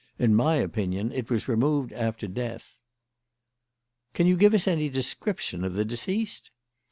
In my opinion it was removed after death." "Can you give us any description of the deceased?"